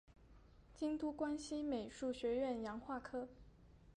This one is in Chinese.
京都关西美术学院洋画科